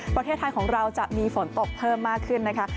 ประเทศไทยของเราจะมีฝนตกเพิ่มมากขึ้นนะคะ